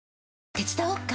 手伝おっか？